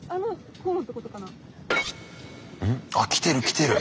うん？あっ来てる来てる。